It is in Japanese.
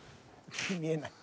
見えない。